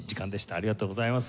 ありがとうございます。